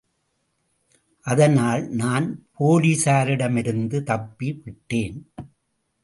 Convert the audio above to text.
அதனால் நான் போலீசாரிடமிருந்து தப்பி விட்டேன்.